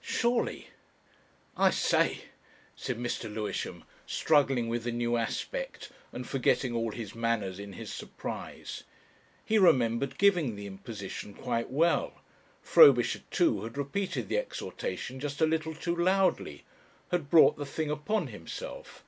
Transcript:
Surely! "I say!" said Mr. Lewisham, struggling with, the new aspect and forgetting all his manners in his surprise.... He remembered giving the imposition quite well: Frobisher ii. had repeated the exhortation just a little too loudly had brought the thing upon himself.